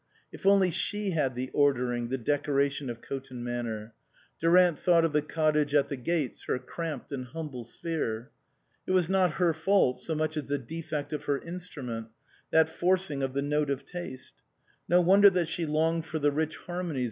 If only she had the ordering, the decoration of Coton Manor ! Durant thought of the cottage at the gates, her cramped and hum ble sphere ; it was not her fault so much as the defect of her instrument, that forcing of the note of taste ; no wonder that she longed for the rich harmonies.